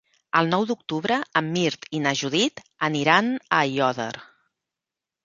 El nou d'octubre en Mirt i na Judit aniran a Aiòder.